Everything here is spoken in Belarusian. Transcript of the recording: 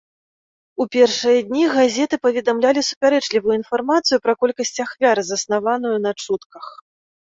У першыя дні газеты паведамлялі супярэчлівую інфармацыю пра колькасць ахвяр, заснаваную на чутках.